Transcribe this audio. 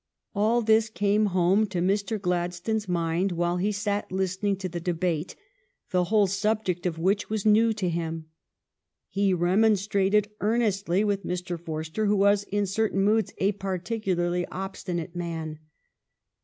All this came home to Mr. Gladstone s mind while he sat listening to the debate, the whole subject of which was new to him. He remonstrated earnestly with Mr. Forster, who was in certain moods a particularly obstinate man.